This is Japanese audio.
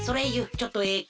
ちょっとええか？